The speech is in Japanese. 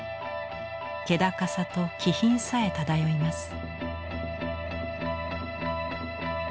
気高さと気品さえ漂います。